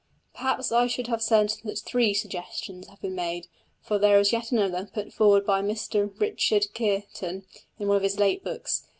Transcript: Perhaps I should have said that three suggestions have been made, for there is yet another, put forward by Mr Richard Kearton in one of his late books.